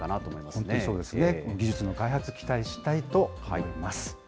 本当にそうですね、技術の開発、期待したいと思います。